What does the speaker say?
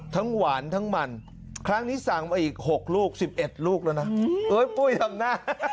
หวานทั้งมันครั้งนี้สั่งมาอีก๖ลูก๑๑ลูกแล้วนะเอ้ยปุ้ยทำนะ